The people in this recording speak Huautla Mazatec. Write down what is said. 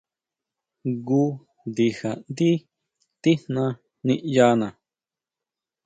Jngu ndija ndí tijna niʼyana.